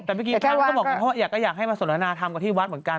แต่เมื่อกี้ท่านก็บอกก็อยากให้มาสนทนาธรรมกับที่วัดเหมือนกัน